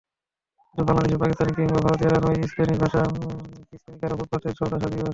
শুধু বাংলাদেশি, পাকিস্তানি কিংবা ভারতীয়রা নয়, স্প্যানিশভাষী হিসপ্যানিকেরাও ফুটপাতেও সওদা সাজিয়ে বসেন।